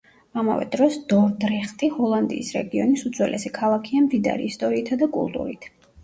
ამავე დროს, დორდრეხტი ჰოლანდიის რეგიონის უძველესი ქალაქია მდიდარი ისტორიითა და კულტურით.